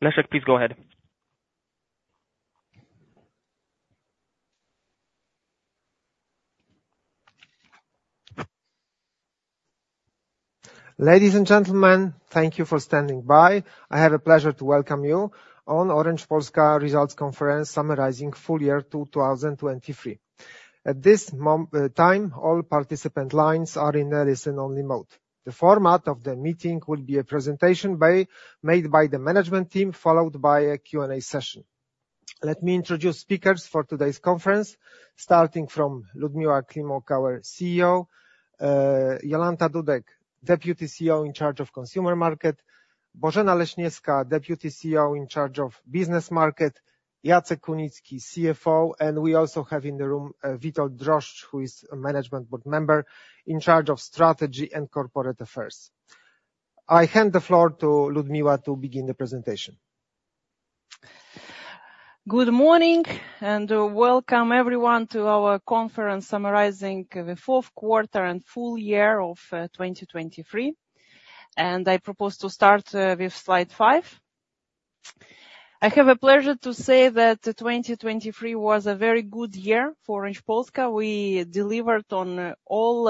Leszek, please go ahead. Ladies and gentlemen, thank you for standing by. I have the pleasure to welcome you on Orange Polska Results Conference summarizing Full Year 2023. At this moment, all participant lines are in listen-only mode. The format of the meeting will be a presentation made by the management team, followed by a Q&A session. Let me introduce speakers for today's conference, starting from Liudmila Climoc, our CEO, Jolanta Dudek, Deputy CEO in charge of consumer market, Bożena Leśniewska, Deputy CEO in charge of business market, Jacek Kunicki, CFO, and we also have in the room Witold Drożdż, who is a management board member in charge of strategy and coARPOrate affairs. I hand the floor to Liudmila to begin the presentation. Good morning and welcome everyone to our conference summarizing the fourth quarter and full year of 2023. I propose to start with slide five. I have the pleasure to say that 2023 was a very good year for Orange Polska. We delivered on all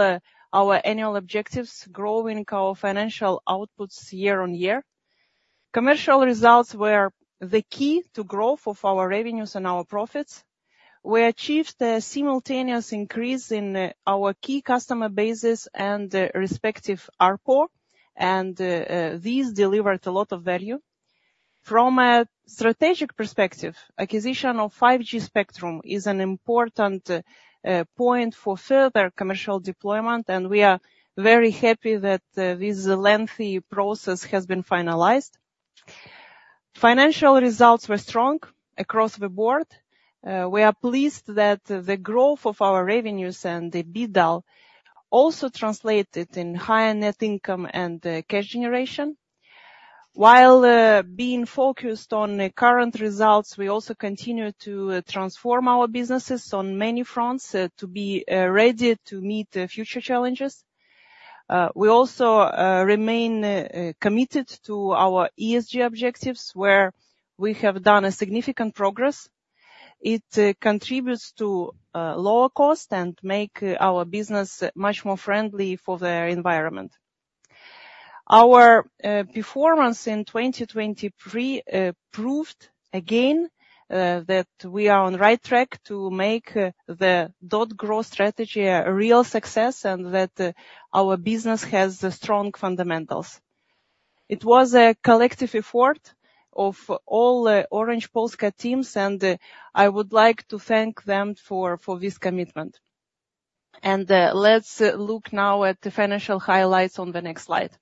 our annual objectives, growing our financial outputs year-over-year. Commercial results were the key to growth of our revenues and our profits. We achieved a simultaneous increase in our key customer bases and respective ARPO, and these delivered a lot of value. From a strategic perspective, acquisition of 5G spectrum is an important point for further commercial deployment, and we are very happy that this lengthy process has been finalized. Financial results were strong across the board. We are pleased that the growth of our revenues and the EBITDA also translated in higher net income and cash generation. While being focused on current results, we also continue to transform our businesses on many fronts to be ready to meet future challenges. We also remain committed to our ESG objectives, where we have done significant progress. It contributes to lower cost and makes our business much more friendly for the environment. Our performance in 2023 proved, again, that we are on the right track to make the .Grow strategy a real success and that our business has strong fundamentals. It was a collective effort of all Orange Polska teams, and I would like to thank them for this commitment. Let's look now at the financial highlights on the next slide.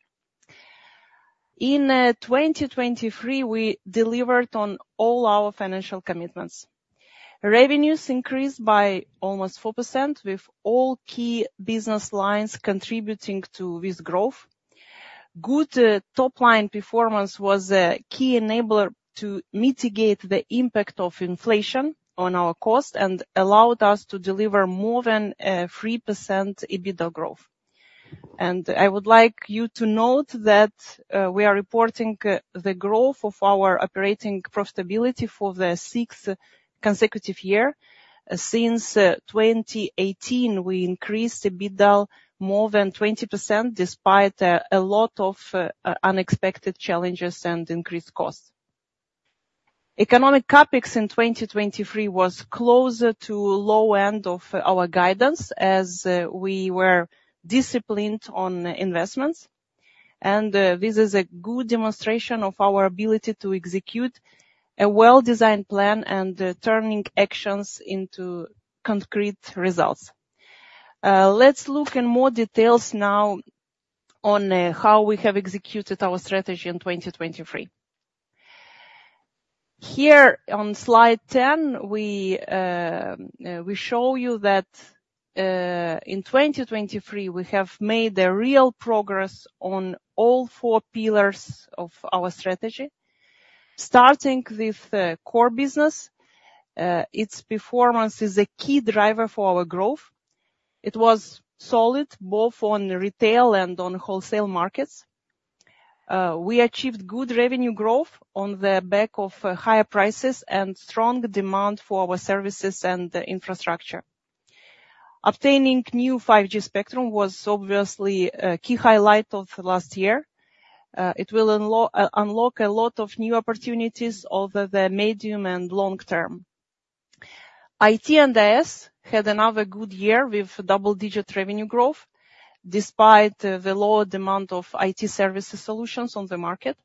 In 2023, we delivered on all our financial commitments. Revenues increased by almost 4% with all key business lines contributing to this growth. Good top-line performance was a key enabler to mitigate the impact of inflation on our costs and allowed us to deliver more than 3% EBITDA growth. And I would like you to note that we are reporting the growth of our operating profitability for the sixth consecutive year. Since 2018, we increased EBITDA more than 20% despite a lot of unexpected challenges and increased costs. Economic CAPEX in 2023 was closer to the low end of our guidance as we were disciplined on investments. And this is a good demonstration of our ability to execute a well-designed plan and turning actions into concrete results. Let's look in more details now on how we have executed our strategy in 2023. Here on slide 10, we show you that in 2023 we have made real progress on all four pillars of our strategy. Starting with core business, its performance is a key driver for our growth. It was solid both on retail and on wholesale markets. We achieved good revenue growth on the back of higher prices and strong demand for our services and infrastructure. Obtaining nju 5G spectrum was obviously a key highlight of last year. It will unlock a lot of new opportunities over the medium and long term. IT and IS had another good year with double-digit revenue growth despite the low demand of IT services solutions on the market.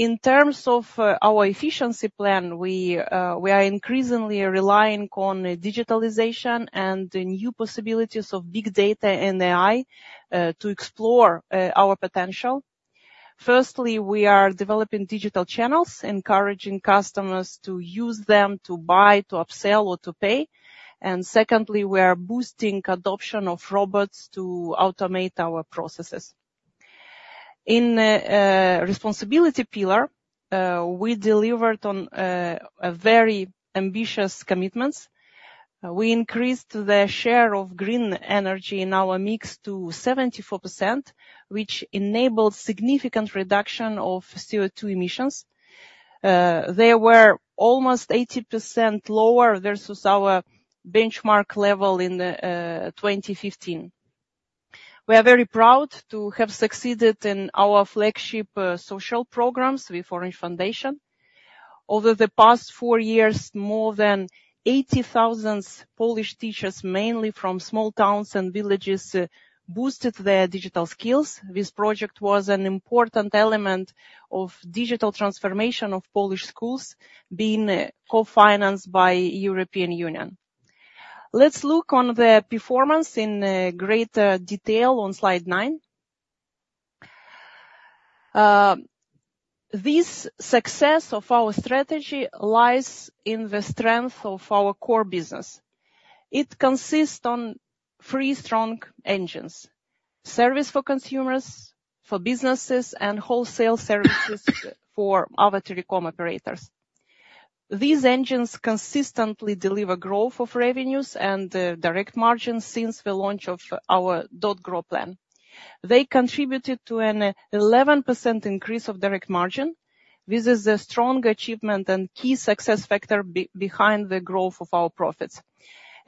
In terms of our efficiency plan, we are increasingly relying on digitalization and new possibilities of big data and AI to explore our potential. Firstly, we are developing digital channels, encouraging customers to use them to buy, to upsell, or to pay. And secondly, we are boosting adoption of robots to automate our processes. In the responsibility pillar, we delivered on very ambitious commitments. We increased the share of green energy in our mix to 74%, which enabled significant reduction of CO2 emissions. They were almost 80% lower versus our benchmark level in 2015. We are very proud to have succeeded in our flagship social programs with Orange Foundation. Over the past four years, more than 80,000 Polish teachers, mainly from small towns and villages, boosted their digital skills. This project was an important element of digital transformation of Polish schools, being co-financed by the European Union. Let's look on the performance in greater detail on slide nine. This success of our strategy lies in the strength of our core business. It consists of three strong engines: service for consumers, for businesses, and wholesale services for other telecom operators. These engines consistently deliver growth of revenues and direct margins since the launch of our .Grow plan. They contributed to an 11% increase of direct margin. This is a strong achievement and key success factor behind the growth of our profits.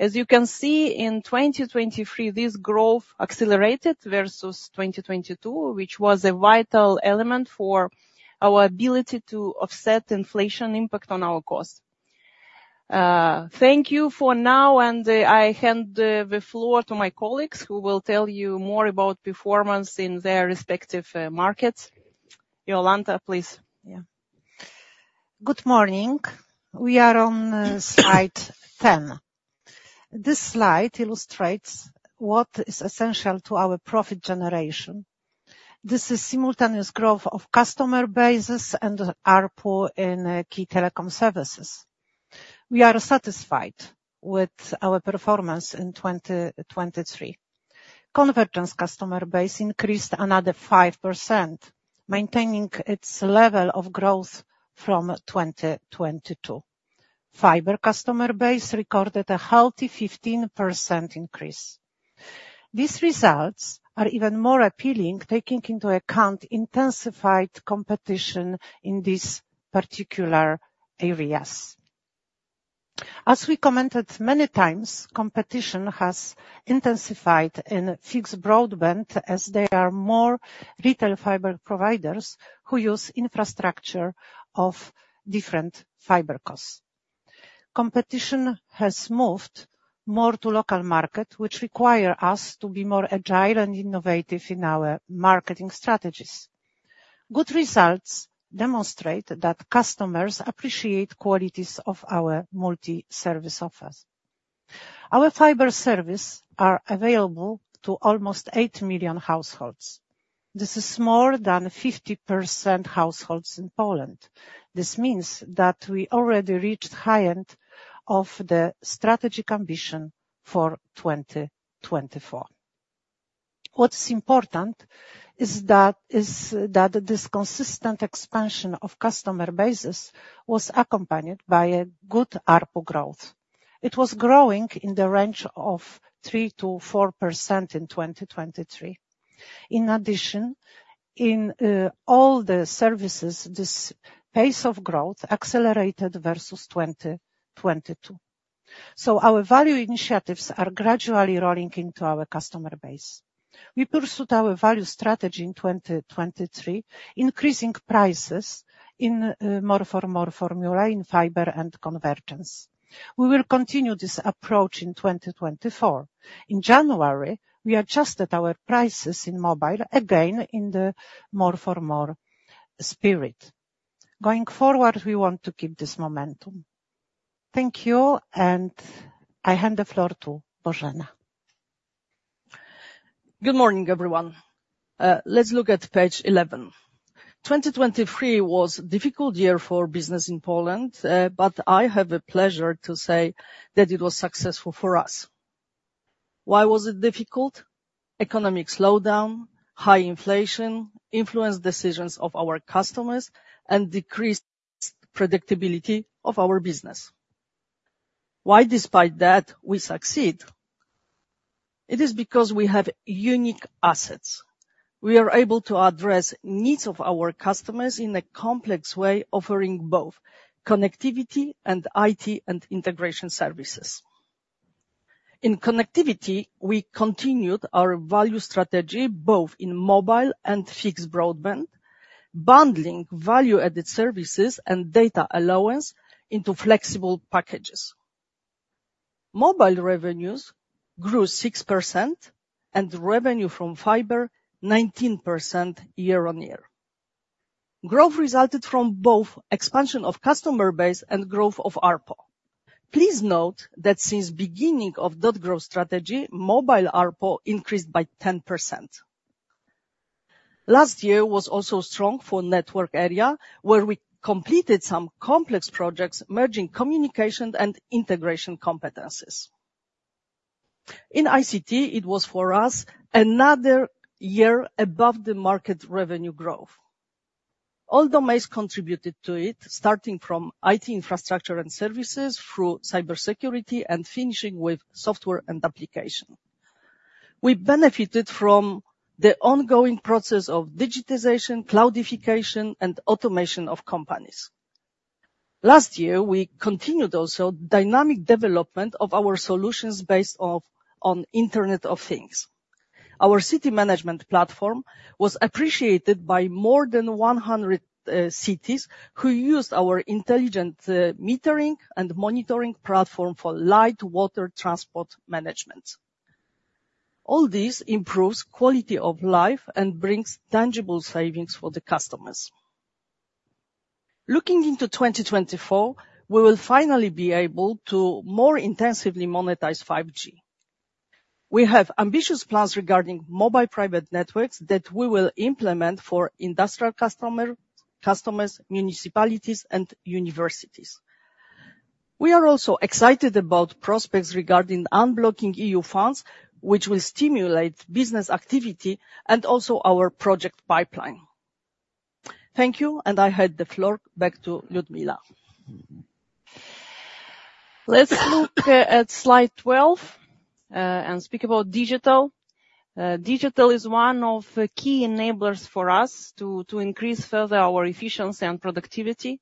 As you can see, in 2023, this growth accelerated versus 2022, which was a vital element for our ability to offset inflation impact on our costs. Thank you for now, and I hand the floor to my colleagues who will tell you more about performance in their respective markets. Jolanta, please. Yeah. Good morning. We are on slide 10. This slide illustrates what is essential to our profit generation. This is simultaneous growth of customer bases and ARPO in key telecom services. We are satisfied with our performance in 2023. Convergence customer base increased another 5%, maintaining its level of growth from 2022. Fiber customer base recorded a healthy 15% increase. These results are even more appealing taking into account intensified competition in these particular areas. As we commented many times, competition has intensified in fixed broadband as there are more retail fiber providers who use infrastructure of different FiberCos. Competition has moved more to local markets, which require us to be more agile and innovative in our marketing strategies. Good results demonstrate that customers appreciate the qualities of our multi-service offers. Our fiber services are available to almost eight million households. This is more than 50% of households in Poland. This means that we already reached the high end of the strategic ambition for 2024. What's important is that this consistent expansion of customer bases was accompanied by good ARPO growth. It was growing in the range of 3%-4% in 2023. In addition, in all the services, this pace of growth accelerated versus 2022. So our value initiatives are gradually rolling into our customer base. We pursued our value strategy in 2023, increasing prices in more-for-more formula in fiber and convergence. We will continue this approach in 2024. In January, we adjusted our prices in mobile again in the more-for-more spirit. Going forward, we want to keep this momentum. Thank you, and I hand the floor to Bożena. Good morning, everyone. Let's look at page 11. 2023 was a difficult year for business in Poland, but I have the pleasure to say that it was successful for us. Why was it difficult? Economic slowdown, high inflation influenced decisions of our customers and decreased predictability of our business. Why, despite that, we succeed? It is because we have unique assets. We are able to address the needs of our customers in a complex way, offering both connectivity and IT and integration services. In connectivity, we continued our value strategy both in mobile and fixed broadband, bundling value-added services and data allowance into flexible packages. Mobile revenues grew 6% and revenue from fiber 19% year-on-year. Growth resulted from both expansion of customer base and growth of ARPO. Please note that since the beginning of the .Grow strategy, mobile ARPO increased by 10%. Last year was also strong for the network area, where we completed some complex projects merging communication and integration competencies. In ICT, it was for us another year above the market revenue growth. All domains contributed to it, starting from IT infrastructure and services through cybersecurity and finishing with software and application. We benefited from the ongoing process of digitization, cloudification, and automation of companies. Last year, we continued also the dynamic development of our solutions based on the Internet of Things. Our city management platform was appreciated by more than 100 cities who used our intelligent metering and monitoring platform for lighting, water, transport management. All this improves the quality of life and brings tangible savings for the customers. Looking into 2024, we will finally be able to more intensively monetize 5G. We have ambitious plans regarding mobile private networks that we will implement for industrial customers, municipalities, and universities. We are also excited about prospects regarding unblocking EU funds, which will stimulate business activity and also our project pipeline. Thank you, and I hand the floor back to Liudmila. Let's look at slide 12 and speak about digital. Digital is one of the key enablers for us to increase further our efficiency and productivity.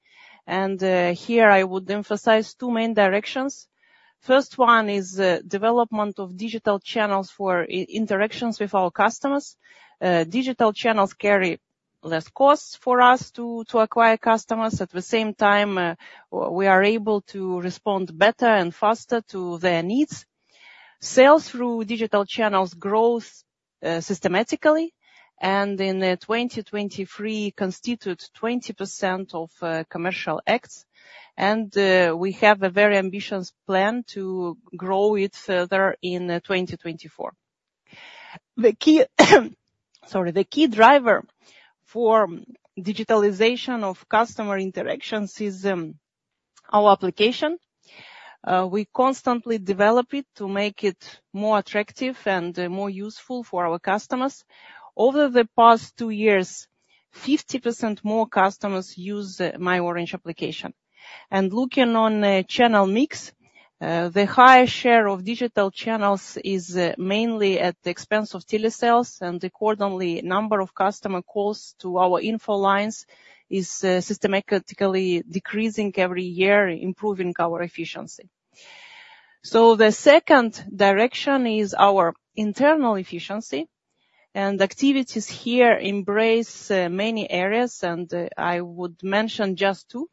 Here, I would emphasize two main directions. The first one is the development of digital channels for interactions with our customers. Digital channels carry less costs for us to acquire customers. At the same time, we are able to respond better and faster to their needs. Sales through digital channels grow systematically, and in 2023, it constituted 20% of commercial acts. We have a very ambitious plan to grow it further in 2024. The key driver for digitalization of customer interactions is our application. We constantly develop it to make it more attractive and more useful for our customers. Over the past two years, 50% more customers use My Orange application. And looking on the channel mix, the higher share of digital channels is mainly at the expense of telesales, and accordingly, the number of customer calls to our info lines is systematically decreasing every year, improving our efficiency. So the second direction is our internal efficiency. And activities here embrace many areas, and I would mention just two.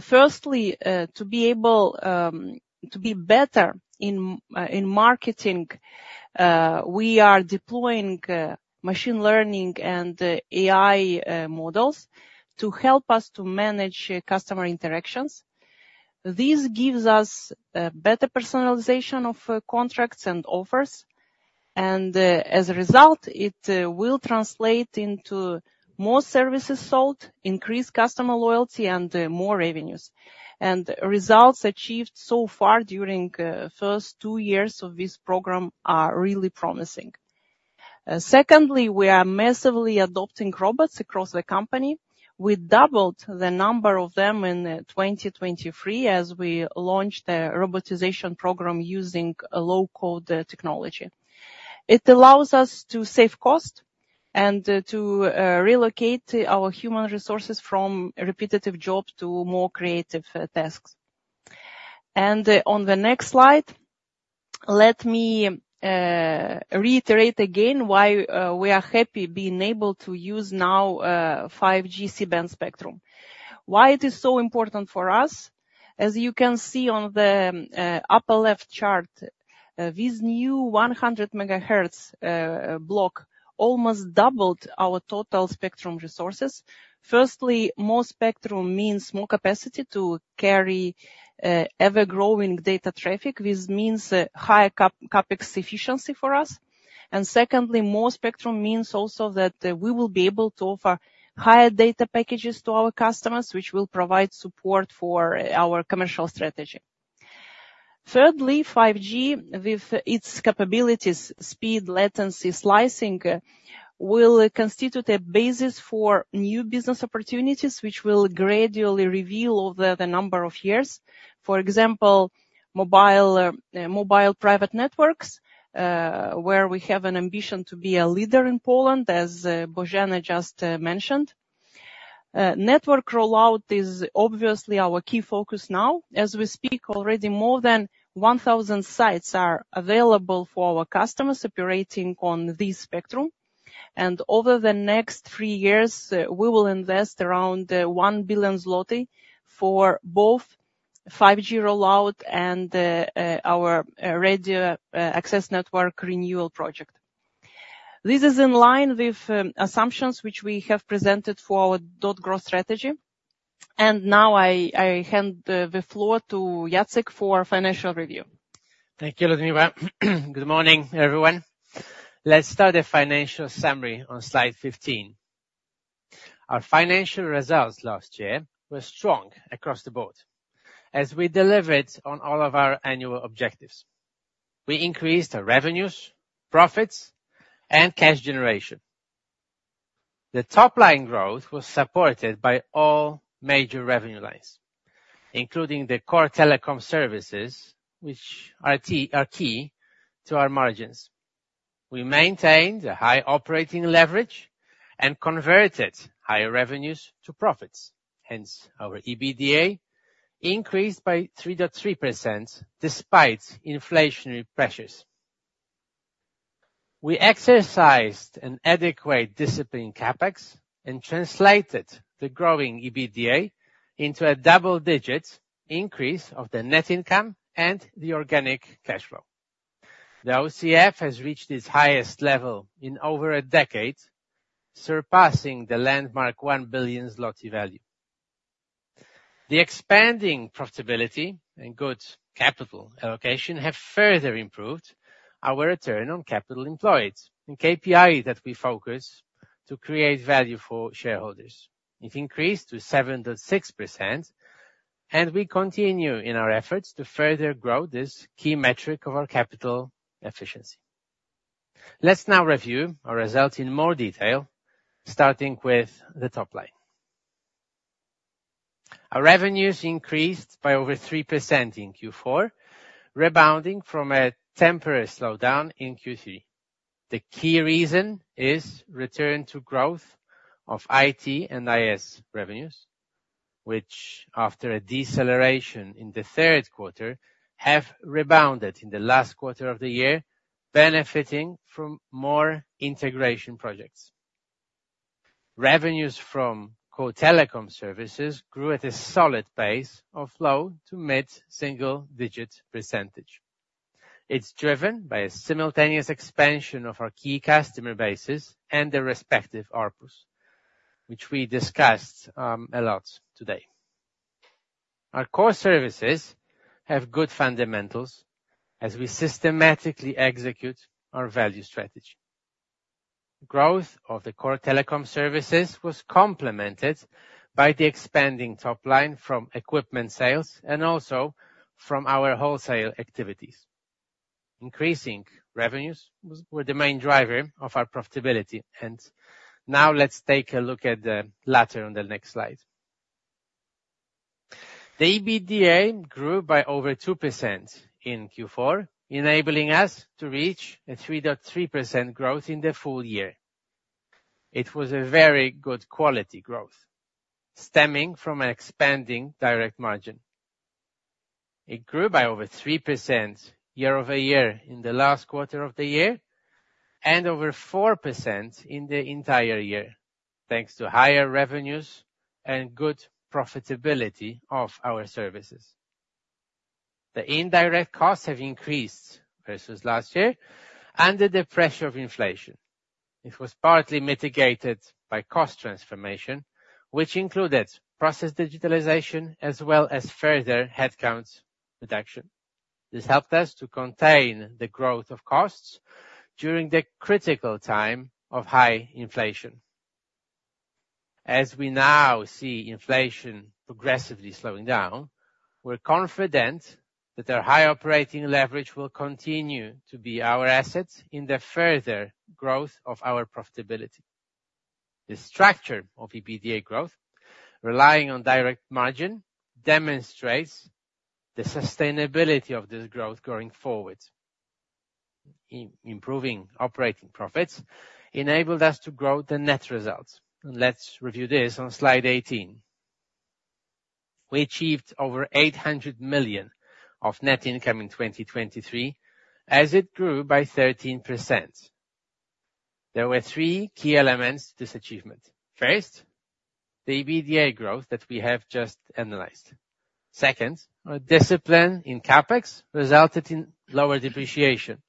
Firstly, to be able to be better in marketing, we are deploying machine learning and AI models to help us manage customer interactions. This gives us better personalization of contracts and offers. And as a result, it will translate into more services sold, increased customer loyalty, and more revenues. Results achieved so far during the first two years of this program are really promising. Secondly, we are massively adopting robots across the company. We doubled the number of them in 2023 as we launched a robotization program using low-code technology. It allows us to save costs and to relocate our human resources from repetitive jobs to more creative tasks. On the next slide, let me reiterate again why we are happy being able to use now 5G C-band spectrum. Why it is so important for us? As you can see on the upper-left chart, this new 100 MHz block almost doubled our total spectrum resources. Firstly, more spectrum means more capacity to carry ever-growing data traffic. This means a higher CAPEX efficiency for us. Secondly, more spectrum means also that we will be able to offer higher data packages to our customers, which will provide support for our commercial strategy. Thirdly, 5G, with its capabilities, speed, latency, slicing, will constitute a basis for new business opportunities, which will gradually reveal over the number of years. For example, mobile private networks, where we have an ambition to be a leader in Poland, as Bożena just mentioned. Network rollout is obviously our key focus now. As we speak, already more than 1,000 sites are available for our customers operating on this spectrum. And over the next three years, we will invest around 1 billion zloty for both 5G rollout and our radio access network renewal project. This is in line with assumptions which we have presented for our .Grow strategy. And now I hand the floor to Jacek for financial review. Thank you, Liudmila. Good morning, everyone. Let's start the financial summary on slide 15. Our financial results last year were strong across the board as we delivered on all of our annual objectives. We increased revenues, profits, and cash generation. The top-line growth was supported by all major revenue lines, including the core telecom services, which are key to our margins. We maintained a high operating leverage and converted higher revenues to profits. Hence, our EBITDA increased by 3.3% despite inflationary pressures. We exercised an adequate discipline CAPEX and translated the growing EBITDA into a double-digit increase of the net income and the organic cash flow. The OCF has reached its highest level in over a decade, surpassing the landmark 1 billion zloty value. The expanding profitability and good capital allocation have further improved our return on capital employed in KPIs that we focus on to create value for shareholders. It increased to 7.6%, and we continue in our efforts to further grow this key metric of our capital efficiency. Let's now review our results in more detail, starting with the top line. Our revenues increased by over 3% in Q4, rebounding from a temporary slowdown in Q3. The key reason is the return to growth of IT and IS revenues, which, after a deceleration in the third quarter, have rebounded in the last quarter of the year, benefiting from more integration projects. Revenues from core telecom services grew at a solid pace of low- to mid-single-digit %. It's driven by a simultaneous expansion of our key customer bases and their respective ARPUs, which we discussed a lot today. Our core services have good fundamentals as we systematically execute our value strategy. Growth of the core telecom services was complemented by the expanding top line from equipment sales and also from our wholesale activities. Increasing revenues were the main driver of our profitability. Now let's take a look at the latter on the next slide. The EBITDA grew by over 2% in Q4, enabling us to reach a 3.3% growth in the full year. It was a very good quality growth, stemming from an expanding direct margin. It grew by over 3% year-over-year in the last quarter of the year and over 4% in the entire year, thanks to higher revenues and good profitability of our services. The indirect costs have increased versus last year under the pressure of inflation. It was partly mitigated by cost transformation, which included process digitalization as well as further headcount reduction. This helped us to contain the growth of costs during the critical time of high inflation. As we now see inflation progressively slowing down, we're confident that our high operating leverage will continue to be our asset in the further growth of our profitability. The structure of EBITDA growth, relying on direct margin, demonstrates the sustainability of this growth going forward. Improving operating profits enabled us to grow the net results. Let's review this on slide 18. We achieved over 800 million of net income in 2023 as it grew by 13%. There were three key elements to this achievement. First, the EBITDA growth that we have just analyzed. Second, our discipline in CAPEX resulted in lower depreciation,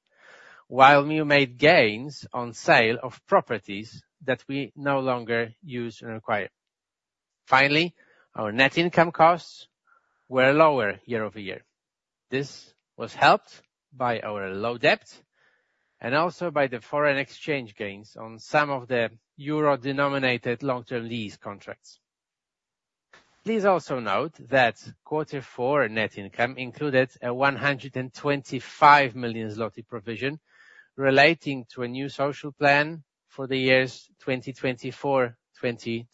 while we made gains on sale of properties that we no longer use and acquire. Finally, our net financial costs were lower year-over-year. This was helped by our low debt and also by the foreign exchange gains on some of the euro-denominated long-term lease contracts. Please also note that quarter four net income included a 125 million zloty provision relating to a new social plan for the years 2024-2025.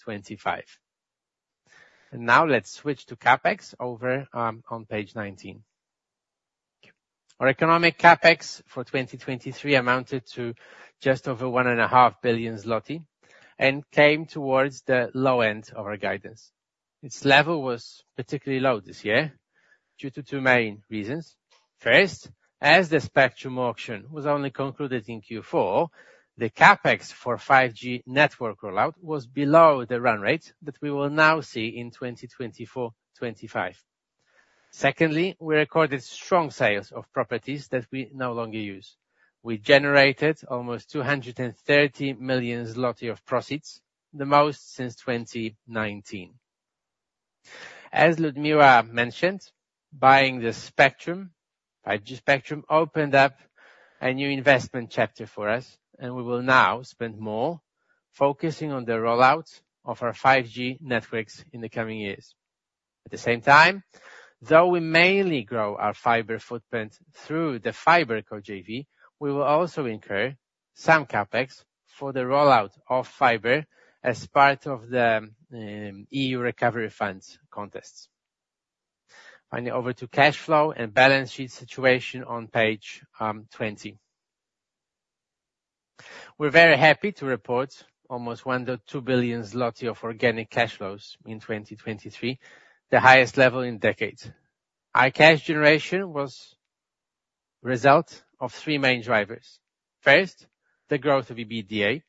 And now let's switch to CAPEX over on page 19. Our economic CAPEX for 2023 amounted to just over 1.5 billion zloty and came towards the low end of our guidance. Its level was particularly low this year due to two main reasons. First, as the spectrum auction was only concluded in Q4, the CAPEX for 5G network rollout was below the run rate that we will now see in 2024-2025. Secondly, we recorded strong sales of properties that we no longer use. We generated almost 230 million zloty of profits, the most since 2019. As Liudmila mentioned, buying the spectrum, 5G spectrum, opened up a new investment chapter for us, and we will now spend more focusing on the rollout of our 5G networks in the coming years. At the same time, though we mainly grow our fiber footprint through the FiberCo JV, we will also incur some CAPEX for the rollout of fiber as part of the EU recovery funds contracts. Finally, over to cash flow and balance sheet situation on page 20. We're very happy to report almost 1.2 billion zloty of organic cash flows in 2023, the highest level in decades. Our cash generation was the result of three main drivers. First, the growth of EBITDA.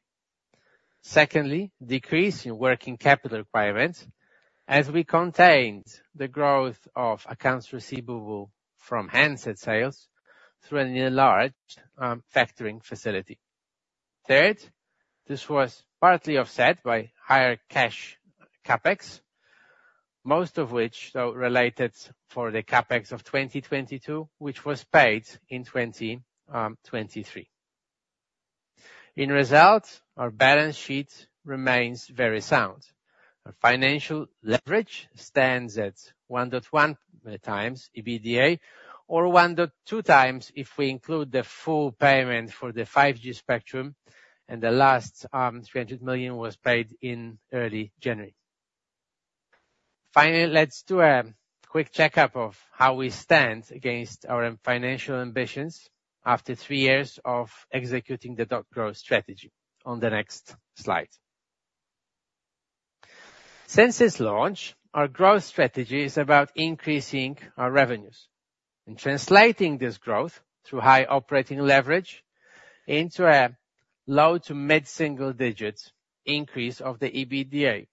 Secondly, decrease in working capital requirements as we contained the growth of accounts receivable from handset sales through an enlarged factoring facility. Third, this was partly offset by higher cash CAPEX, most of which though related to the CAPEX of 2022, which was paid in 2023. As a result, our balance sheet remains very sound. Our financial leverage stands at 1.1x EBITDA or 1.2x if we include the full payment for the 5G spectrum, and the last 300 million was paid in early January. Finally, let's do a quick checkup of how we stand against our financial ambitions after three years of executing the .Grow strategy on the next slide. Since its launch, our growth strategy is about increasing our revenues and translating this growth through high operating leverage into a low- to mid-single-digit increase of the EBITDA.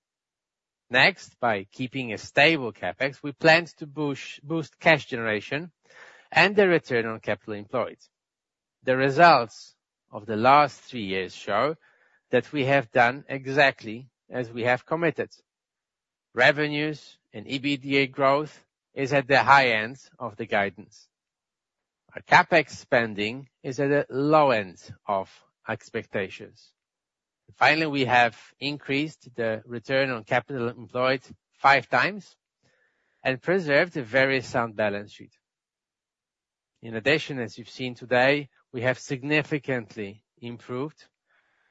Next, by keeping a stable CAPEX, we plan to boost cash generation and the return on capital employed. The results of the last three years show that we have done exactly as we have committed. Revenues and EBITDA growth is at the high end of the guidance. Our CAPEX spending is at the low end of expectations. Finally, we have increased the return on capital employed five times and preserved a very sound balance sheet. In addition, as you've seen today, we have significantly improved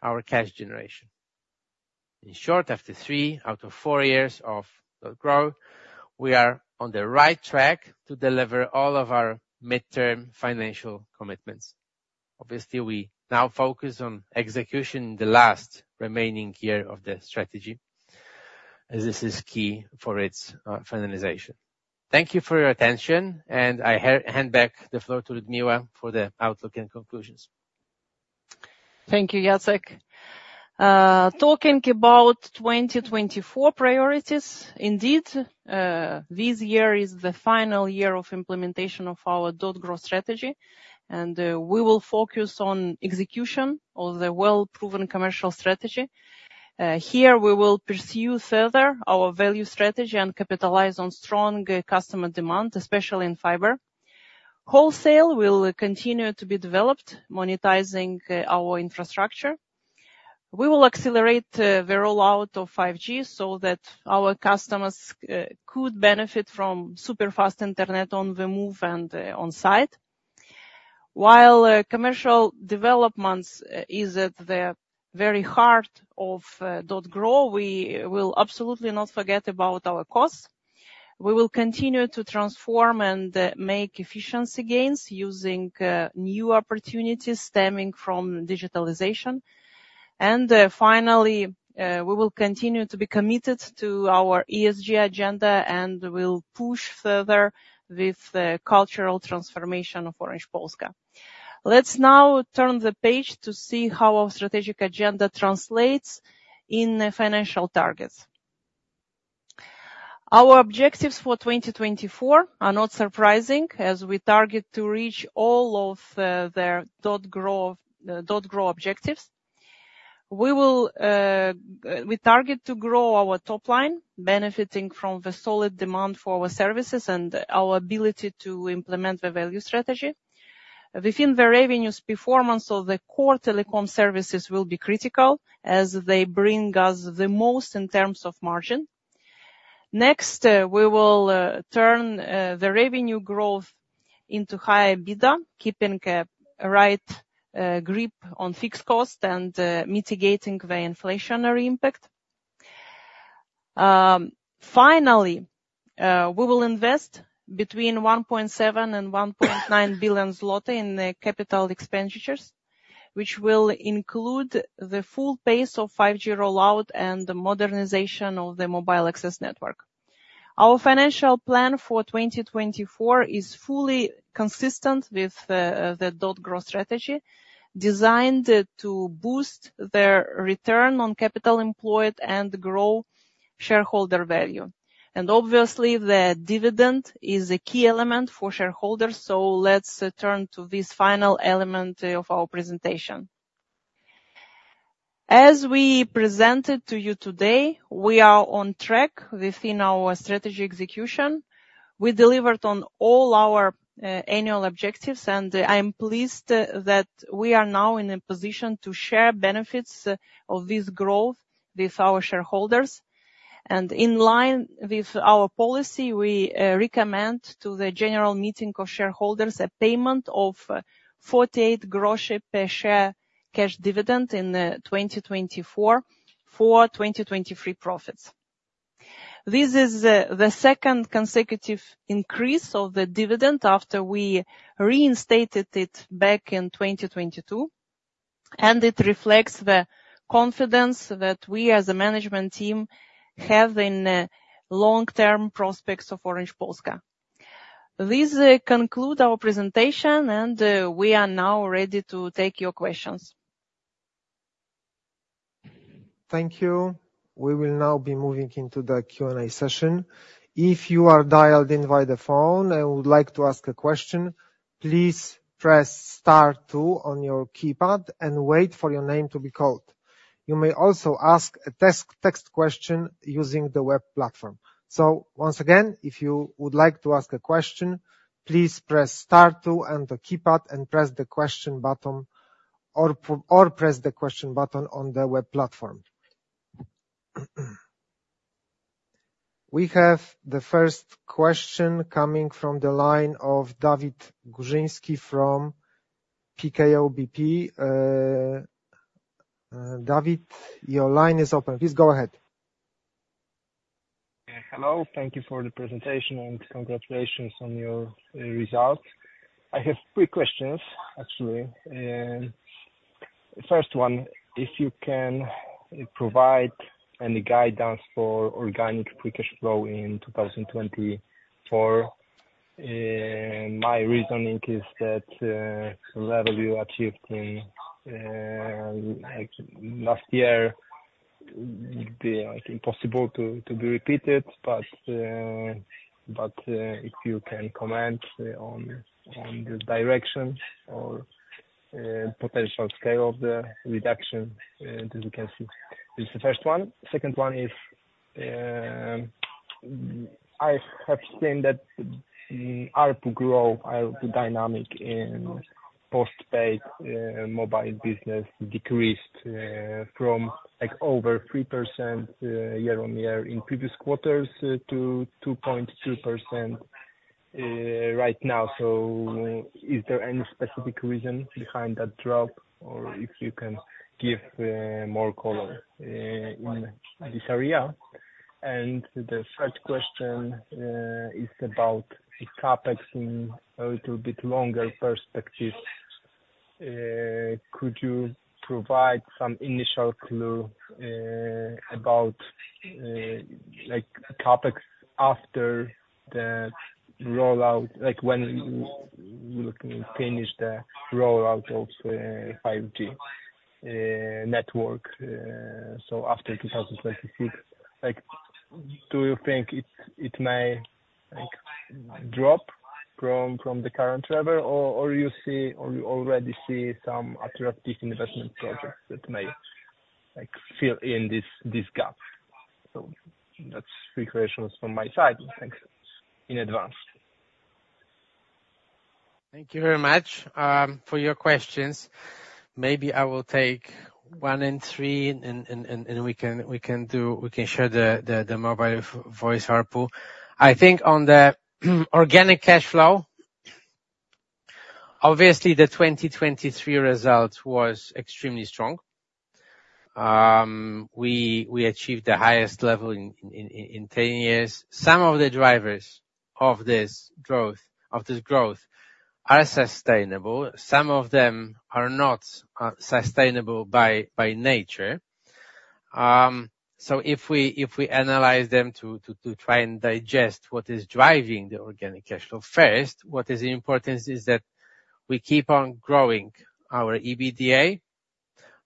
our cash generation. In short, after three out of four years of .Grow, we are on the right track to deliver all of our mid-term financial commitments. Obviously, we now focus on execution in the last remaining year of the strategy, as this is key for its finalization. Thank you for your attention, and I hand back the floor to Liudmila for the outlook and conclusions. Thank you, Jacek. Talking about 2024 priorities, indeed, this year is the final year of implementation of our .Grow strategy, and we will focus on execution of the well-proven commercial strategy. Here, we will pursue further our value strategy and capitalize on strong customer demand, especially in fiber. Wholesale will continue to be developed, monetizing our infrastructure. We will accelerate the rollout of 5G so that our customers could benefit from super-fast internet on the move and on-site. While commercial development is at the very heart of .Grow, we will absolutely not forget about our costs. We will continue to transform and make efficiency gains using new opportunities stemming from digitalization. And finally, we will continue to be committed to our ESG agenda and will push further with the cultural transformation of Orange Polska. Let's now turn the page to see how our strategic agenda translates in financial targets. Our objectives for 2024 are not surprising, as we target to reach all of their .Grow objectives. We target to grow our top line, benefiting from the solid demand for our services and our ability to implement the value strategy. Within the revenues performance of the core telecom services will be critical, as they bring us the most in terms of margin. Next, we will turn the revenue growth into higher EBITDA, keeping a right grip on fixed costs and mitigating the inflationary impact. Finally, we will invest between 1.7 billion and 1.9 billion zloty in capital expenditures, which will include the full pace of 5G rollout and the modernization of the mobile access network. Our financial plan for 2024 is fully consistent with the .Grow strategy, designed to boost the return on capital employed and grow shareholder value. Obviously, the dividend is a key element for shareholders, so let's turn to this final element of our presentation. As we presented to you today, we are on track within our strategy execution. We delivered on all our annual objectives, and I'm pleased that we are now in a position to share benefits of this growth with our shareholders. In line with our policy, we recommend to the general meeting of shareholders a payment of 0.48 per share cash dividend in 2024 for 2023 profits. This is the second consecutive increase of the dividend after we reinstated it back in 2022, and it reflects the confidence that we, as a management team, have in the long-term prospects of Orange Polska. This concludes our presentation, and we are now ready to take your questions. Thank you. We will now be moving into the Q&A session. If you are dialed in via the phone and would like to ask a question, please press star two on your keypad and wait for your name to be called. You may also ask a text question using the web platform. So once again, if you would like to ask a question, please press star two on the keypad and press the question button or press the question button on the web platform. We have the first question coming from the line of Dawid Górzyński from PKO BP. Dawid, your line is open. Please go ahead. Hello. Thank you for the presentation and congratulations on your results. I have three questions, actually. First one, if you can provide any guidance for organic free cash flow in 2024? My reasoning is that the level you achieved last year would be impossible to be repeated, but if you can comment on the direction or potential scale of the reduction, as you can see. This is the first one. Second one is, I have seen that ARPU growth, ARPU dynamic in postpaid mobile business decreased from over 3% year-on-year in previous quarters to 2.2% right now. So is there any specific reason behind that drop, or if you can give more color in this area? The third question is about CAPEX in a little bit longer perspective. Could you provide some initial clue about CAPEX after the rollout, when we finish the rollout of 5G network, so after 2026? Do you think it may drop from the current level, or do you already see some attractive investment projects that may fill in this gap? So that's three questions from my side. Thanks in advance. Thank you very much for your questions. Maybe I will take one and three, and we can share the mobile voice ARPU. I think on the organic cash flow, obviously, the 2023 result was extremely strong. We achieved the highest level in 10 years. Some of the drivers of this growth are sustainable. Some of them are not sustainable by nature. So if we analyze them to try and digest what is driving the organic cash flow first, what is important is that we keep on growing our EBITDA,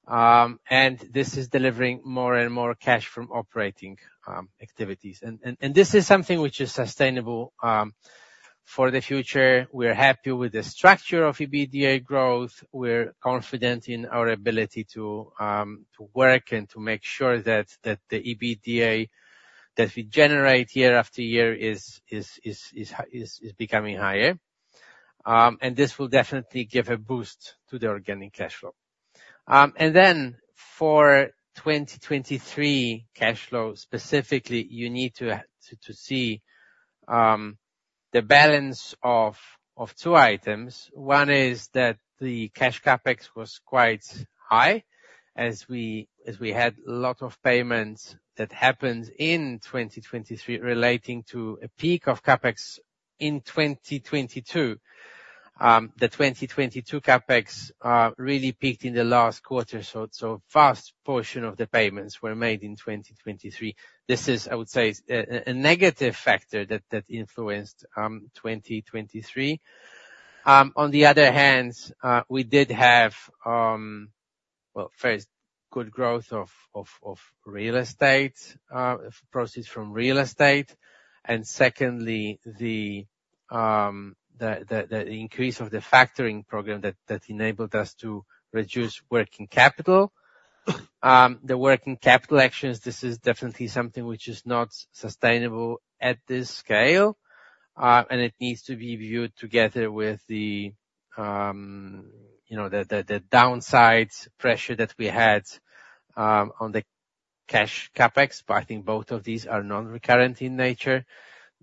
and this is delivering more and more cash from operating activities. And this is something which is sustainable for the future. We're happy with the structure of EBITDA growth. We're confident in our ability to work and to make sure that the EBITDA that we generate year after year is becoming higher. And this will definitely give a boost to the organic cash flow. And then for 2023 cash flow specifically, you need to see the balance of two items. One is that the cash CAPEX was quite high as we had a lot of payments that happened in 2023 relating to a peak of CAPEX in 2022. The 2022 CAPEX really peaked in the last quarter, so a vast portion of the payments were made in 2023. This is, I would say, a negative factor that influenced 2023. On the other hand, we did have, well, first, good growth of real estate, proceeds from real estate, and secondly, the increase of the factoring program that enabled us to reduce working capital. The working capital actions, this is definitely something which is not sustainable at this scale, and it needs to be viewed together with the downside pressure that we had on the cash CAPEX, but I think both of these are non-recurrent in nature.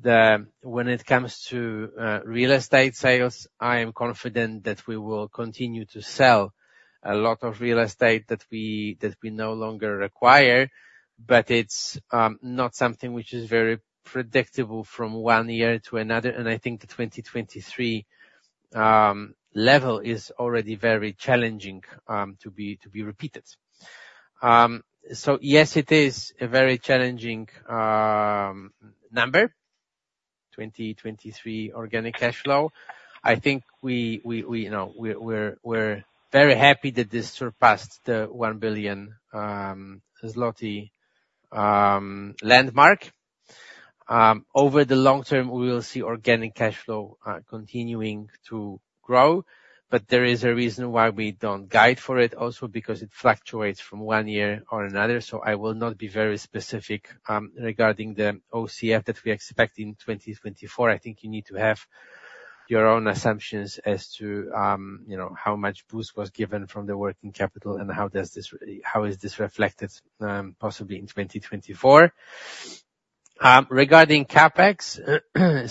When it comes to real estate sales, I am confident that we will continue to sell a lot of real estate that we no longer require, but it's not something which is very predictable from one year to another, and I think the 2023 level is already very challenging to be repeated. So yes, it is a very challenging number, 2023 organic cash flow. I think we're very happy that this surpassed the 1 billion zloty landmark. Over the long term, we will see organic cash flow continuing to grow, but there is a reason why we don't guide for it, also because it fluctuates from one year to another. I will not be very specific regarding the OCF that we expect in 2024. I think you need to have your own assumptions as to how much boost was given from the working capital and how is this reflected possibly in 2024. Regarding CAPEX,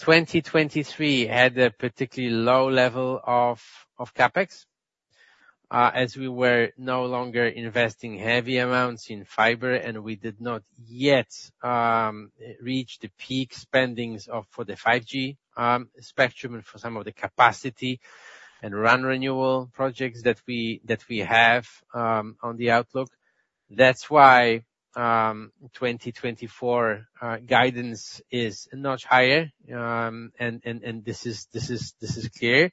2023 had a particularly low level of CAPEX as we were no longer investing heavy amounts in fiber, and we did not yet reach the peak spending for the 5G spectrum and for some of the capacity and RAN renewal projects that we have on the outlook. That's why 2024 guidance is a notch higher, and this is clear.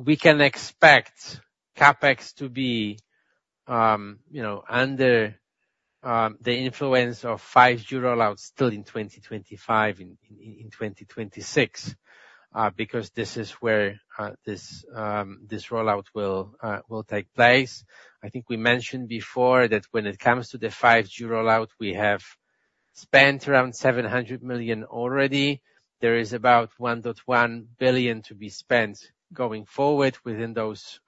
We can expect CAPEX to be under the influence of 5G rollouts still in 2025, in 2026, because this is where this rollout will take place. I think we mentioned before that when it comes to the 5G rollout, we have spent around 700 million already. There is about 1.1 billion to be spent going forward within those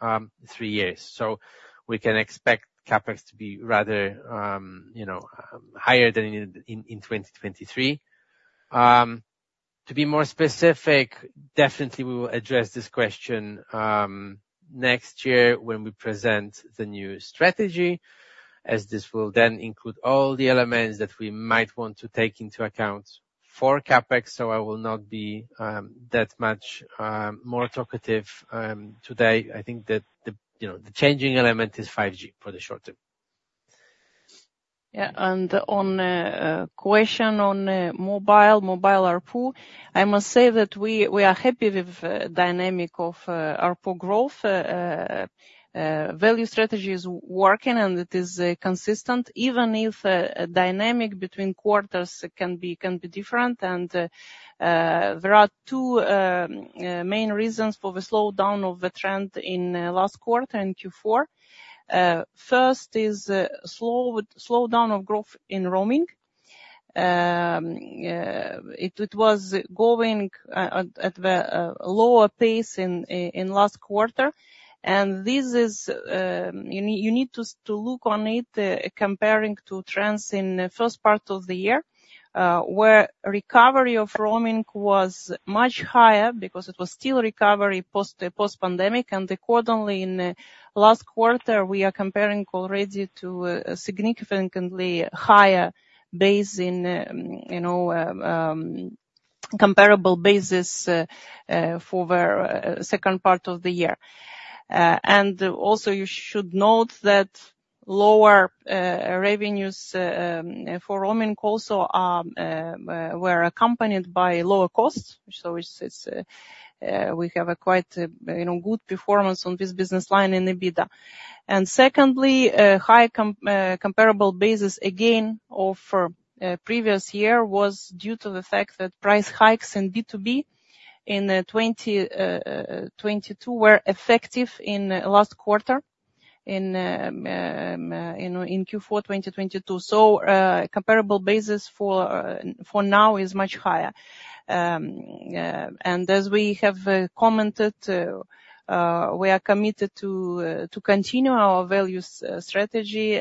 three years. So we can expect CAPEX to be rather higher than in 2023. To be more specific, definitely we will address this question next year when we present the new strategy, as this will then include all the elements that we might want to take into account for CAPEX, so I will not be that much more talkative today. I think that the changing element is 5G for the short term. Yeah. And on a question on mobile, mobile ARPU, I must say that we are happy with the dynamic of ARPU growth. Value strategy is working, and it is consistent, even if the dynamic between quarters can be different. And there are two main reasons for the slowdown of the trend in last quarter in Q4. First is a slowdown of growth in roaming. It was going at a lower pace in last quarter, and you need to look on it comparing to trends in the first part of the year, where recovery of roaming was much higher because it was still recovery post-pandemic. And accordingly, in last quarter, we are comparing already to a significantly higher base in comparable basis for the second part of the year. Also, you should note that lower revenues for roaming also were accompanied by lower costs, so we have a quite good performance on this business line in EBITDA. Secondly, a high comparable basis again of previous year was due to the fact that price hikes in B2B in 2022 were effective in last quarter in Q4 2022. Comparable basis for now is much higher. As we have commented, we are committed to continue our value strategy,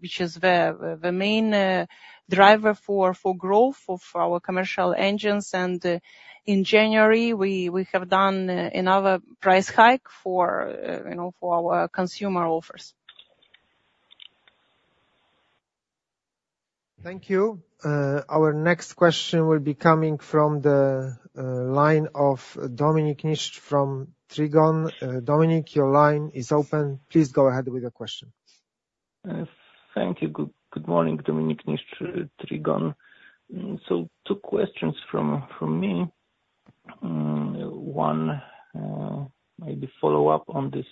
which is the main driver for growth of our commercial engines. In January, we have done another price hike for our consumer offers. Thank you. Our next question will be coming from the line of Dominik Niszcz from Trigon. Dominik, your line is open. Please go ahead with your question. Thank you. Good morning, Dominik Niszcz, Trigon. So two questions from me. One, maybe follow-up on this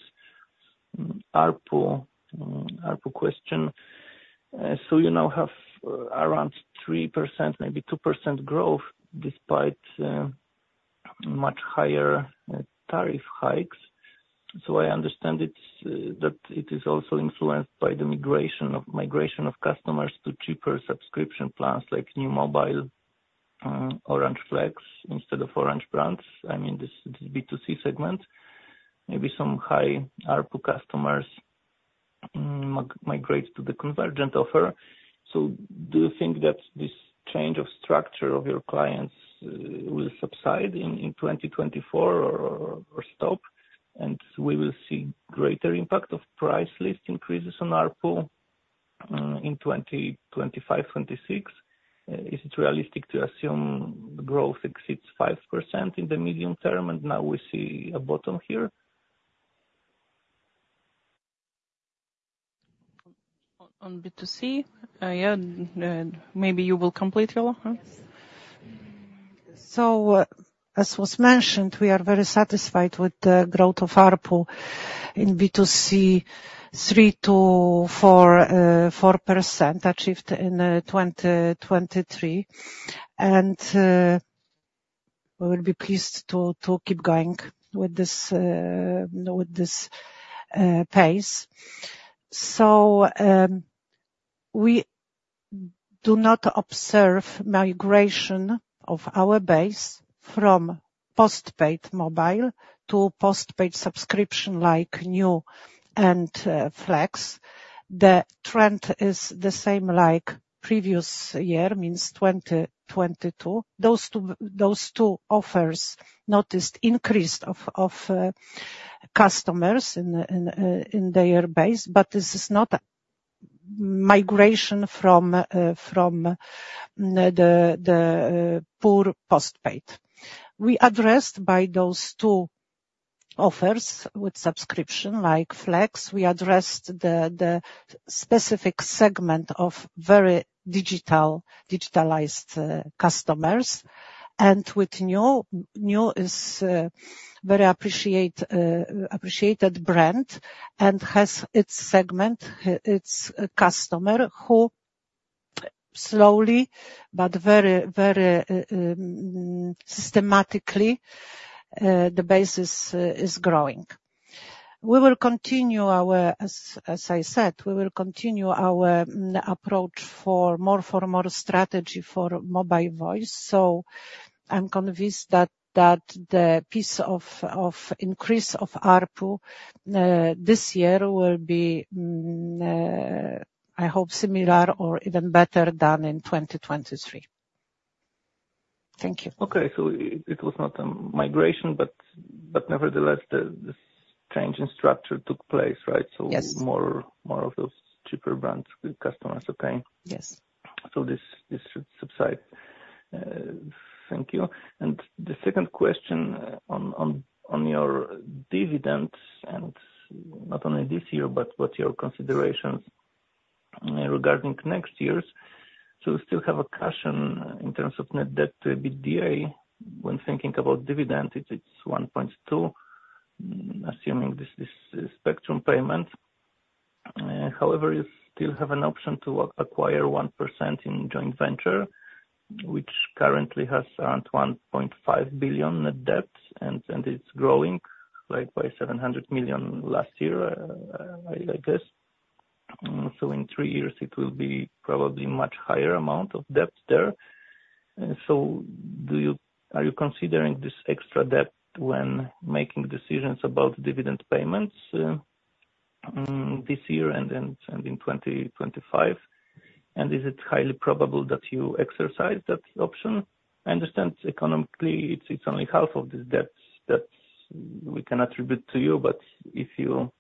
ARPU question. So you now have around 3%, maybe 2% growth despite much higher tariff hikes. So I understand that it is also influenced by the migration of customers to cheaper subscription plans like new mobile Orange Flex instead of Orange Brands. I mean, this B2C segment, maybe some high ARPU customers migrate to the convergent offer. So do you think that this change of structure of your clients will subside in 2024 or stop, and we will see greater impact of price list increases on ARPU in 2025, 2026? Is it realistic to assume growth exceeds 5% in the medium term and now we see a bottom here? On B2C, yeah. Maybe you will complete, Jolanta. Yes. So as was mentioned, we are very satisfied with the growth of ARPU in B2C, 3%-4% achieved in 2023. And we will be pleased to keep going with this pace. So we do not observe migration of our base from postpaid mobile to postpaid subscription like new and Flex. The trend is the same like previous year, means 2022. Those two offers noticed increase of customers in their base, but this is not migration from the poor postpaid. We addressed by those two offers with subscription like Flex, we addressed the specific segment of very digitalized customers. And with new, is a very appreciated brand and has its segment, its customer who slowly but very, very systematically, the base is growing. As I said, we will continue our approach for more strategy for mobile voice. So I'm convinced that the pace of increase of ARPU this year will be, I hope, similar or even better than in 2023. Thank you. Okay. So it was not a migration, but nevertheless, this change in structure took place, right? So more of those cheaper brands customers, okay? Yes. So this should subside. Thank you. And the second question on your dividends and not only this year, but what your considerations regarding next year's. So we still have a cushion in terms of net debt to EBITDA. When thinking about dividend, it's 1.2, assuming this spectrum payment. However, you still have an option to acquire 1% in joint venture, which currently has around 1.5 billion net debt, and it's growing by 700 million last year, I guess. So in three years, it will be probably a much higher amount of debt there. So are you considering this extra debt when making decisions about dividend payments this year and in 2025? And is it highly probable that you exercise that option? I understand economically, it's only half of this debt that we can attribute to you, but if you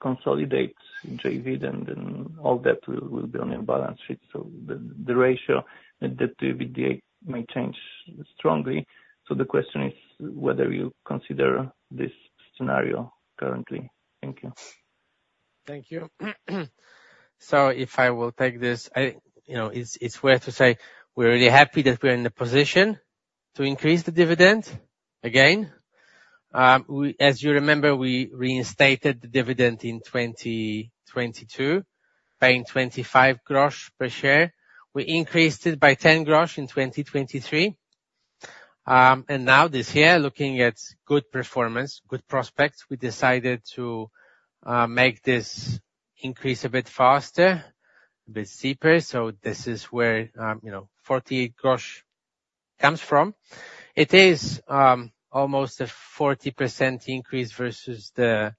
consolidate JV, then all debt will be on your balance sheet. The ratio net debt to EBITDA may change strongly. The question is whether you consider this scenario currently. Thank you. Thank you. So if I will take this, it's fair to say we're really happy that we're in the position to increase the dividend again. As you remember, we reinstated the dividend in 2022, paying 25 grosz per share. We increased it by 10 grosz in 2023. And now this year, looking at good performance, good prospects, we decided to make this increase a bit faster, a bit steeper. So this is where 48 grosz comes from. It is almost a 40% increase versus the,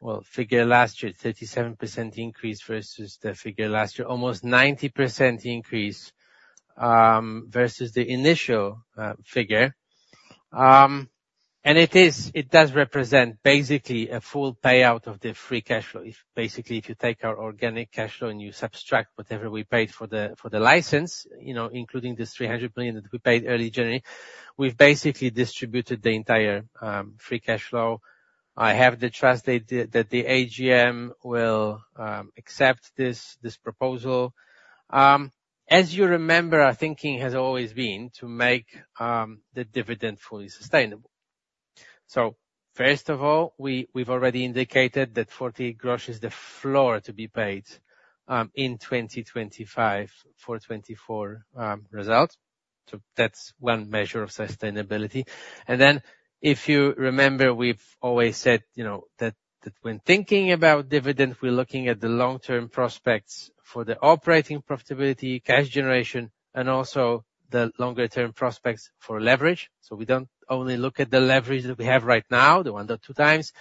well, figure last year, 37% increase versus the figure last year, almost 90% increase versus the initial figure. And it does represent basically a full payout of the free cash flow. Basically, if you take our organic cash flow and you subtract whatever we paid for the license, including this 300 million that we paid early January, we've basically distributed the entire free cash flow. I have the trust that the AGM will accept this proposal. As you remember, our thinking has always been to make the dividend fully sustainable. So first of all, we've already indicated that 0.48 is the floor to be paid in 2025 for 2024 results. So that's one measure of sustainability. And then if you remember, we've always said that when thinking about dividend, we're looking at the long-term prospects for the operating profitability, cash generation, and also the longer-term prospects for leverage. So we don't only look at the leverage that we have right now, the 1.2x.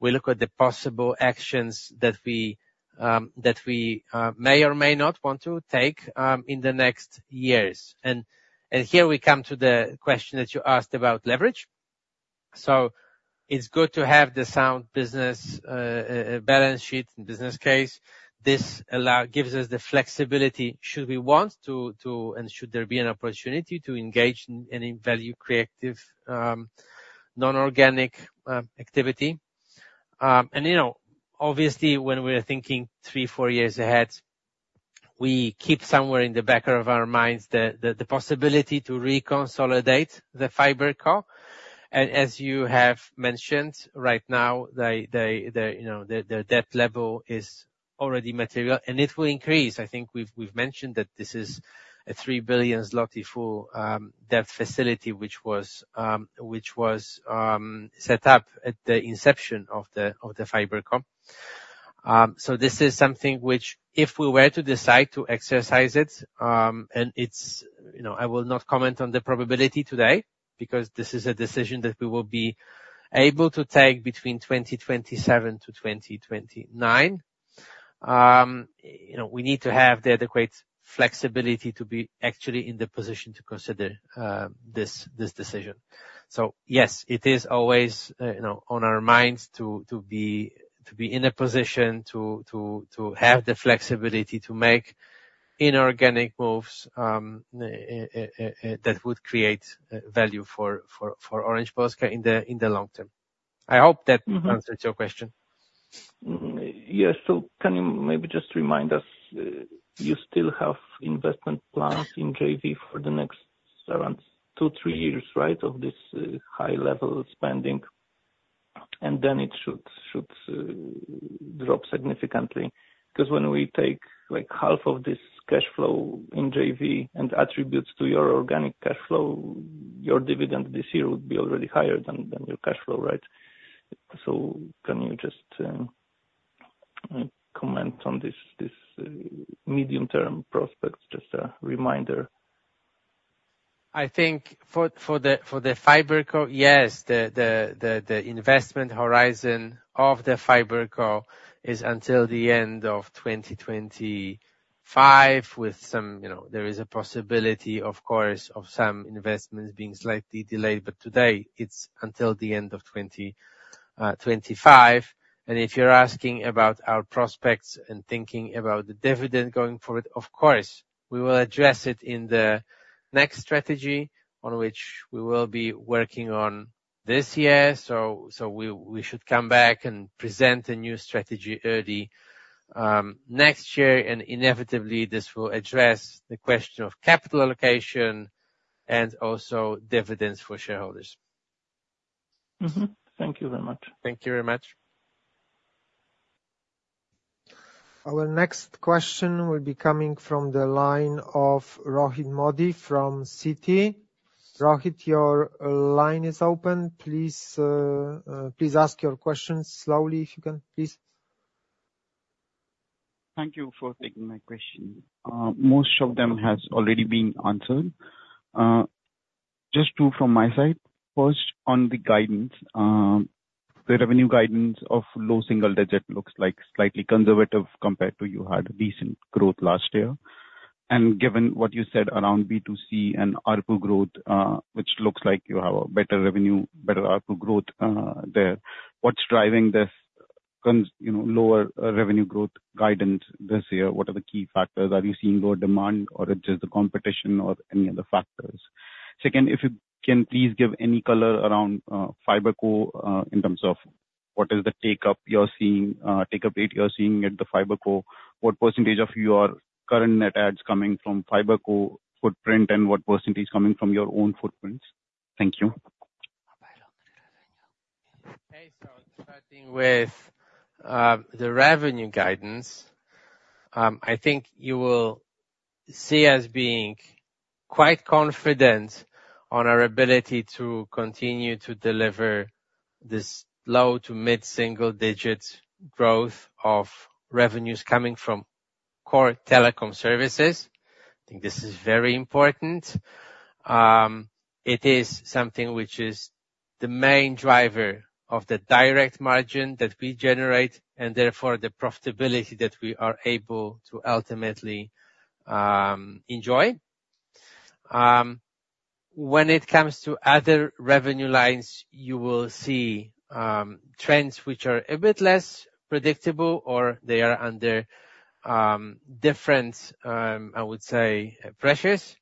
We look at the possible actions that we may or may not want to take in the next years. And here we come to the question that you asked about leverage. So it's good to have the sound business balance sheet and business case. This gives us the flexibility, should we want to, and should there be an opportunity to engage in any value-creative non-organic activity. And obviously, when we're thinking three, four years ahead, we keep somewhere in the back of our minds the possibility to reconsolidate the FiberCo. And as you have mentioned, right now, their debt level is already material, and it will increase. I think we've mentioned that this is a 3 billion zloty full debt facility, which was set up at the inception of the FiberCo. So this is something which, if we were to decide to exercise it, and I will not comment on the probability today because this is a decision that we will be able to take between 2027-2029, we need to have the adequate flexibility to be actually in the position to consider this decision. So yes, it is always on our minds to be in a position to have the flexibility to make inorganic moves that would create value for Orange Polska in the long term. I hope that answers your question. Yes. So can you maybe just remind us, you still have investment plans in JV for the next two, three years, right, of this high-level spending, and then it should drop significantly? Because when we take half of this cash flow in JV and attribute it to your organic cash flow, your dividend this year would be already higher than your cash flow, right? So can you just comment on this medium-term prospect, just a reminder? I think for the FiberCo, yes, the investment horizon of the FiberCo is until the end of 2025 with some there is a possibility, of course, of some investments being slightly delayed, but today, it's until the end of 2025. If you're asking about our prospects and thinking about the dividend going forward, of course, we will address it in the next strategy on which we will be working on this year. We should come back and present a new strategy early next year. Inevitably, this will address the question of capital allocation and also dividends for shareholders. Thank you very much. Thank you very much. Our next question will be coming from the line of Rohit Modi from Citi. Rohit, your line is open. Please ask your questions slowly, if you can, please. Thank you for taking my question. Most of them have already been answered. Just two from my side. First, on the guidance, the revenue guidance of low single-digit looks slightly conservative compared to you had recent growth last year. And given what you said around B2C and ARPU growth, which looks like you have a better revenue, better ARPU growth there, what's driving this lower revenue growth guidance this year? What are the key factors? Are you seeing lower demand, or it's just the competition or any other factors? Second, if you can, please give any color around FiberCo in terms of what is the take-up you're seeing, take-up rate you're seeing at the FiberCo, what percentage of your current net adds coming from FiberCo footprint, and what percentage coming from your own footprints? Thank you. Okay. So starting with the revenue guidance, I think you will see us being quite confident on our ability to continue to deliver this low- to mid-single-digit growth of revenues coming from core telecom services. I think this is very important. It is something which is the main driver of the direct margin that we generate, and therefore, the profitability that we are able to ultimately enjoy. When it comes to other revenue lines, you will see trends which are a bit less predictable, or they are under different, I would say, pressures.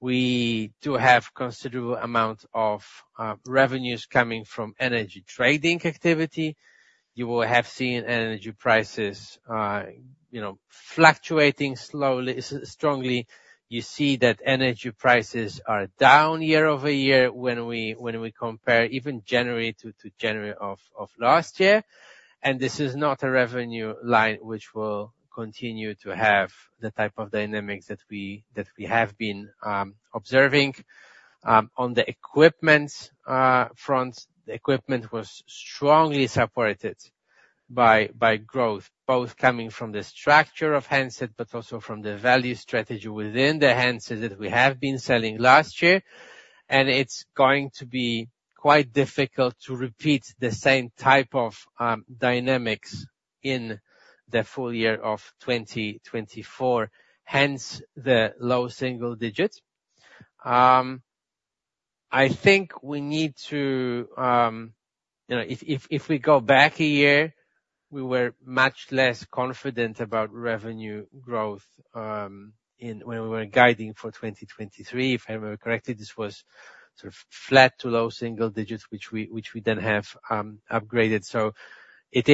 We do have a considerable amount of revenues coming from energy trading activity. You will have seen energy prices fluctuating strongly. You see that energy prices are down year-over-year when we compare even January-to-January of last year. This is not a revenue line which will continue to have the type of dynamics that we have been observing. On the equipment front, the equipment was strongly supported by growth, both coming from the structure of handset, but also from the value strategy within the handset that we have been selling last year. It's going to be quite difficult to repeat the same type of dynamics in the full year of 2024, hence the low single digit. I think we need to, if we go back a year, we were much less confident about revenue growth when we were guiding for 2023. If I remember correctly, this was sort of flat to low single digits, which we then have upgraded. It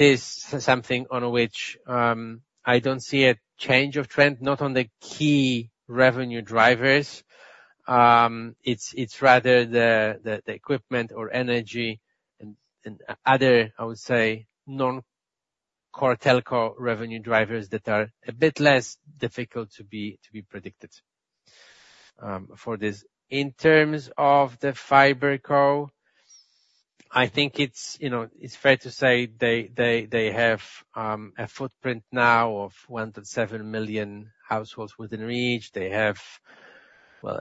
is something on which I don't see a change of trend, not on the key revenue drivers. It's rather the equipment or energy and other, I would say, non-core telco revenue drivers that are a bit less difficult to be predicted for this. In terms of the FiberCo, I think it's fair to say they have a footprint now of 1.7 million households within reach. They have, well,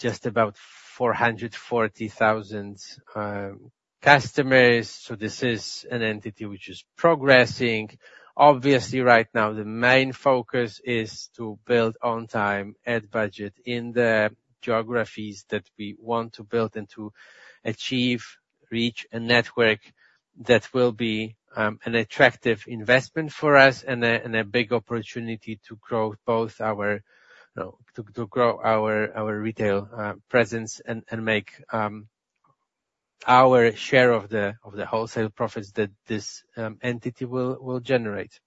just about 440,000 customers. So this is an entity which is progressing. Obviously, right now, the main focus is to build on-time, at budget, in the geographies that we want to build and to achieve, reach, a network that will be an attractive investment for us and a big opportunity to grow both our to grow our retail presence and make our share of the wholesale profits that this entity will generate.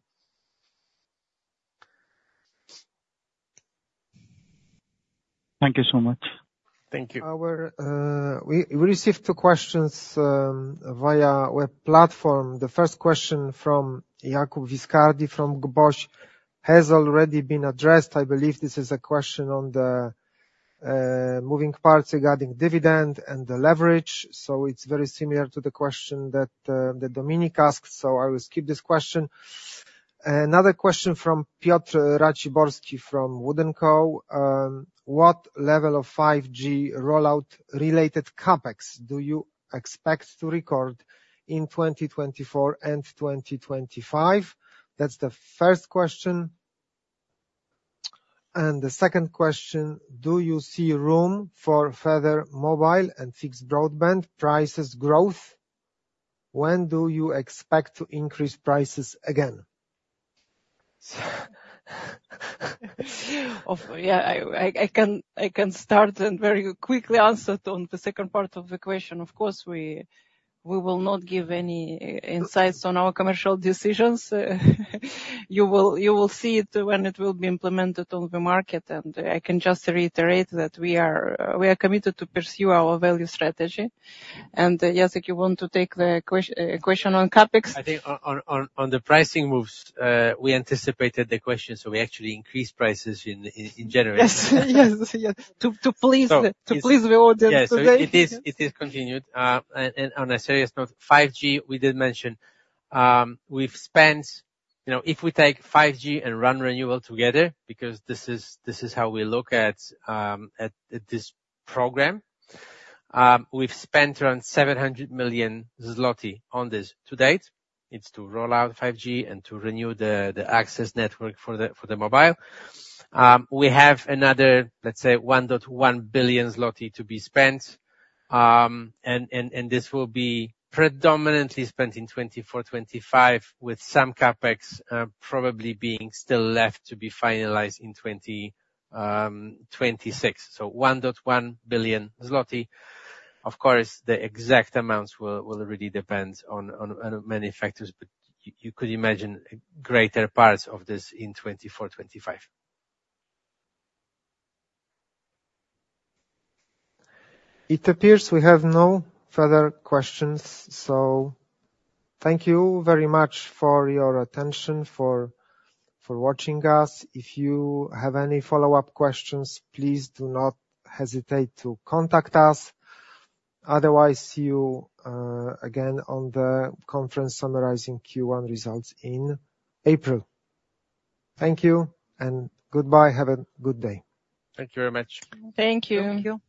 Thank you so much. Thank you. We received two questions via web platform. The first question from Jakub Viscardi from DM BOŚ has already been addressed. I believe this is a question on the moving parts regarding dividend and the leverage. So it's very similar to the question that Dominik asked, so I will skip this question. Another question from Piotr Raciborski from Wood and Company. What level of 5G rollout-related CAPEX do you expect to record in 2024 and 2025? That's the first question. And the second question, do you see room for further mobile and fixed broadband prices growth? When do you expect to increase prices again? Yeah. I can start and very quickly answer on the second part of the question. Of course, we will not give any insights on our commercial decisions. You will see it when it will be implemented on the market. And I can just reiterate that we are committed to pursue our value strategy. And Jacek, you want to take the question on CAPEX? I think on the pricing moves, we anticipated the question, so we actually increased prices in January. Yes. Yes. Yes. To please the audience today. Yes. So it is continued. And on a serious note, 5G, we did mention. If we take 5G and run renewal together, because this is how we look at this program, we've spent around 700 million zloty on this to date. It's to roll out 5G and to renew the access network for the mobile. We have another, let's say, 1.1 billion zloty to be spent. And this will be predominantly spent in 2024-2025, with some CAPEX probably being still left to be finalized in 2026. So 1.1 billion zloty. Of course, the exact amounts will really depend on many factors, but you could imagine greater parts of this in 2024-2025. It appears we have no further questions. So thank you very much for your attention, for watching us. If you have any follow-up questions, please do not hesitate to contact us. Otherwise, see you again on the conference summarizing Q1 results in April. Thank you, and goodbye. Have a good day. Thank you very much. Thank you. Thank you.